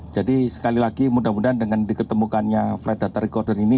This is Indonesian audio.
sekali lagi mudah mudahan dengan diketemukannya flight data recorder ini